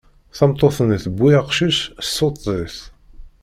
Tameṭṭut-nni tewwi aqcic, tessuṭṭeḍ-it.